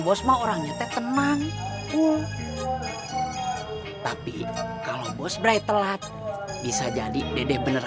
bos mah orangnya teh tenang cool tapi kalau bos brai telat bisa jadi dede beneran